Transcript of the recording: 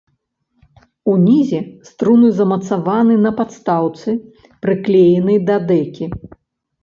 Унізе струны замацаваны на падстаўцы, прыклеенай да дэкі.